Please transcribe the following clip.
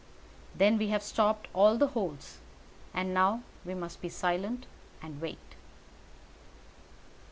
"Then we have stopped all the holes. And now we must be silent and wait."